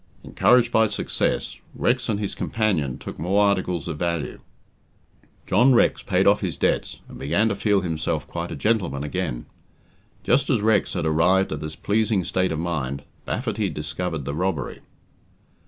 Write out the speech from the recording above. Encouraged by success, Rex and his companion took more articles of value. John Rex paid off his debts, and began to feel himself quite a "gentleman" again. Just as Rex had arrived at this pleasing state of mind, Baffaty discovered the robbery.